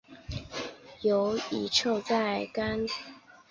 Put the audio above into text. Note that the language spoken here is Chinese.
由溴乙醛在干燥溴化氢作用下与乙醇反应得到。